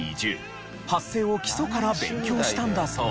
発声を基礎から勉強したんだそう。